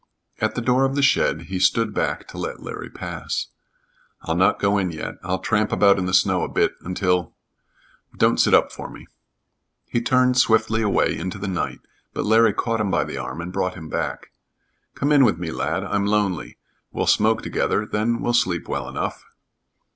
At the door of the shed he stood back to let Larry pass. "I'll not go in yet. I'll tramp about in the snow a bit until Don't sit up for me " He turned swiftly away into the night, but Larry caught him by the arm and brought him back. "Come in with me, lad; I'm lonely. We'll smoke together, then we'll sleep well enough."